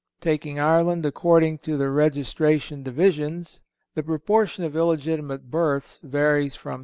Taking Ireland according to the registration divisions, the proportion of illegitimate births varies from 6.